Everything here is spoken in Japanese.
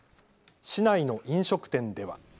市内の飲食店では。